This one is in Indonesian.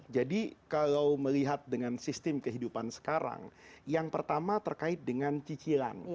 jadi kalau melihat dengan sistem kehidupan sekarang yang pertama terkait dengan cicilan